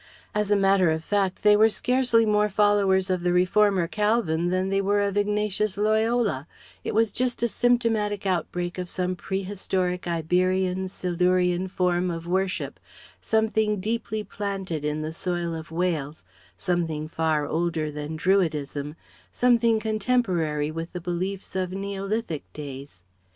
As a matter of fact they were scarcely more followers of the reformer Calvin than they were of Ignatius Loyola; it was just a symptomatic outbreak of some prehistoric Iberian, Silurian form of worship, something deeply planted in the soil of Wales, something far older than Druidism, something contemporary with the beliefs of Neolithic days.